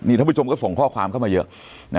ท่านผู้ชมก็ส่งข้อความเข้ามาเยอะ